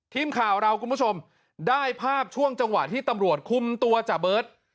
ทีมข่าวเราคุณผู้ชมได้ภาพช่วงจังหวะที่ตำรวจคุมตัวจ่าเบิร์ต